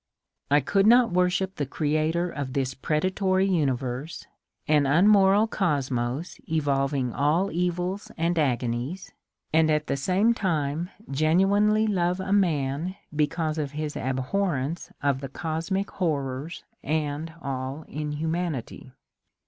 I could not worship thei creator of this predatory universe, an unmoral cosmos evolv^ ing all evils and agonies, and at the same time genuinely 62 MONCURE DANIEL CONWAY love a man because of his abhorrence of the coiimic horrors and all inhumanity.